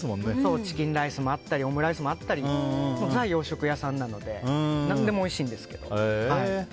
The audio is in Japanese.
チキンライスもあったりオムライスもあったりザ・洋食屋さんなので何でもおいしいんですけど。